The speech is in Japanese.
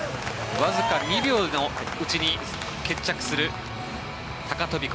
わずか２秒のうちに決着する高飛込。